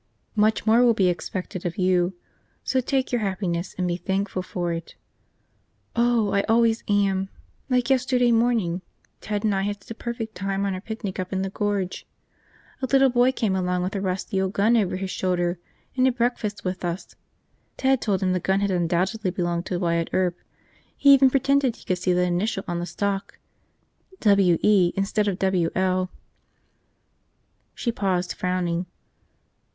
"Much more will be expected of you. So take your happiness and be thankful for it." "Oh, I always am! Like yesterday morning. Ted and I had such a perfect time on our picnic up in the Gorge. A little boy came along with a rusty old gun over his shoulder and had breakfast with us. Ted told him the gun had undoubtedly belonged to Wyatt Earp, he even pretended he could see the initials on the stock, W E instead of W L. ..." She paused, frowning.